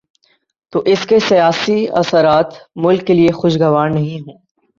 تو اس کے سیاسی اثرات ملک کے لیے خوشگوار نہیں ہوں۔